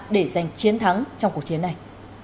để giành chiến thắng trong cuộc chiến này